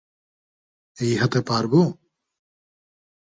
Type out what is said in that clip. এই হাতে পারবো?